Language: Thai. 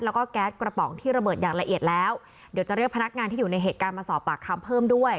แล้วก็แก๊สกระป๋องที่ระเบิดอย่างละเอียดแล้วเดี๋ยวจะเรียกพนักงานที่อยู่ในเหตุการณ์มาสอบปากคำเพิ่มด้วย